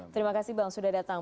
terima kasih bang sudah datang